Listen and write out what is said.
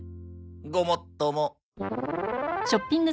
ごもっとも。